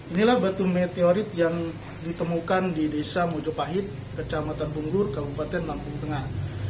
inilah batu meteorit yang ditemukan di desa mojopahit kecamatan punggur kabupaten lampung tengah